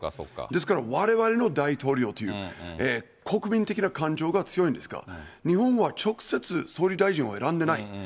ですから、われわれの大統領という、国民的な感情が強いんですが、日本は直接、総理大臣を選んでない。